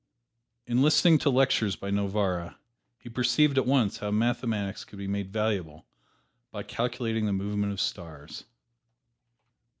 In listening to lectures by Novarra, he perceived at once how mathematics could be made valuable in calculating the movement of stars.